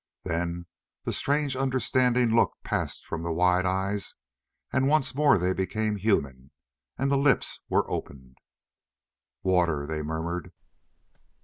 Then the strange understanding look passed from the wide eyes, and once more they became human, and the lips were opened. "Water," they murmured.